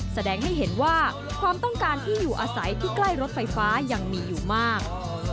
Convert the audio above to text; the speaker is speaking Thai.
แสดงให้เห็นว่าความต้องการที่อยู่อาศัยที่ใกล้รถไฟฟ้ายังมีอยู่มาก